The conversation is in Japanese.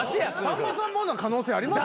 さんまさんもな可能性ありますよ。